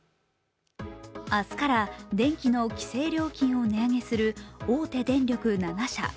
明日から電気の規制料金を値上げする大手電力７社。